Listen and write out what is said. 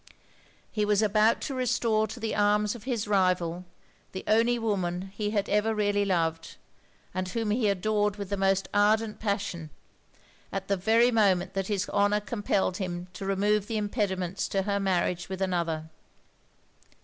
He was about to restore to the arms of his rival, the only woman he had ever really loved; and whom he adored with the most ardent passion, at the very moment that his honour compelled him to remove the impediments to her marriage with another.